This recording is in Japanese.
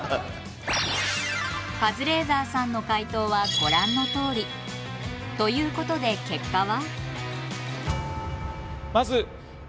カズレーザーさんの解答はご覧のとおり。ということで結果は。